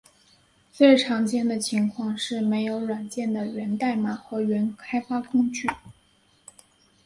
最常见的情况是没有软件的源代码和原开发工具。